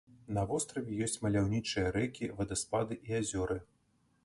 На востраве ёсць маляўнічыя рэкі, вадаспады і азёры.